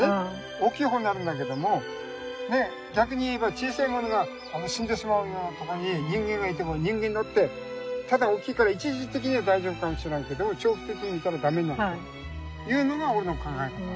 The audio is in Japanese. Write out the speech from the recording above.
大きい方になるんだけどもねっ逆に言えば小さいものが死んでしまうようなとこに人間がいても人間だってただ大きいから一時的には大丈夫かもしらんけど長期的に見たら駄目になるというのが俺の考え方。